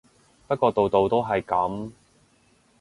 不過度度都係噉